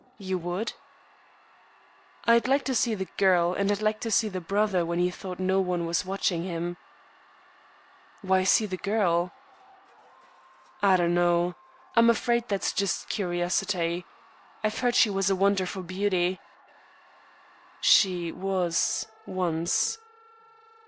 "You would?" "I'd like to see the girl and I'd like to see the brother when he thought no one was watching him." "Why see the girl?" "I don't know. I'm afraid that's just curiosity. I've heard she was a wonder for beauty." "She was, once."